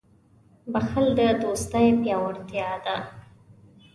• بښل د دوستۍ پیاوړتیا ده.